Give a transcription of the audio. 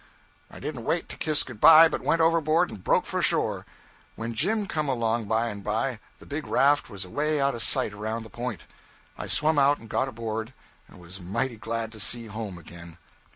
I didn't wait to kiss good bye, but went overboard and broke for shore. When Jim come along by and by, the big raft was away out of sight around the point. I swum out and got aboard, and was mighty glad to see home again.